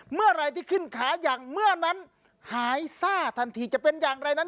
เมื่อไหร่ที่ขึ้นขาอย่างเมื่อนั้นหายซ่าทันทีจะเป็นอย่างไรนั้น